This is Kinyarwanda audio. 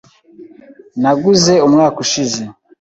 Naguze umwaka ushize.